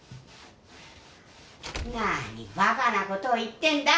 何バカなことを言ってんだ。